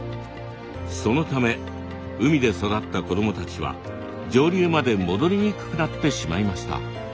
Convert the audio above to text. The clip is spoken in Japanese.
そのため海で育った子供たちは上流まで戻りにくくなってしまいました。